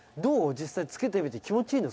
「実際着けてみて気持ちいいの？